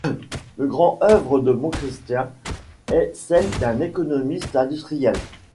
Le grand œuvre de Montchrestien est celle d’un économiste industriel.